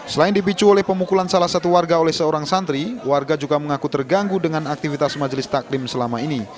selain dipicu oleh pemukulan salah satu warga oleh seorang santri warga juga mengaku terganggu dengan aktivitas majelis taklim selama ini